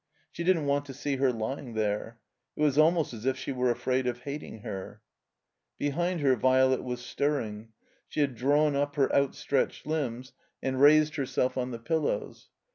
She didn't want to see her lying there. It was almost as if she were afraid of hating her. Behind her Violet was stirring. She had drawn up her outstretched limbs and raised herself on the ii6 THE COMBINED MAZE pillows.